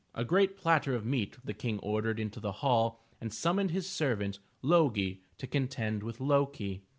A great platter of meat the King ordered into the hall, and summoned his servant, Lo'gi, to contend with Lo'ki.